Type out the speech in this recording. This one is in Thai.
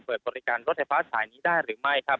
เปิดบริการรถไฟฟ้าสายนี้ได้หรือไม่ครับ